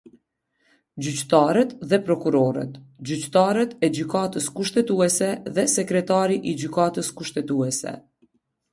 Gjyqtarët dhe Prokurorët, Gjyqtarët e Gjykatës Kushtetuese dhe Sekretari i Gjykatës Kushtetuese.